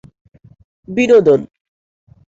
বিনোদন